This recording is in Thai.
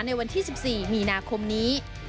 ในวันที่๑๔มีนาคมนี้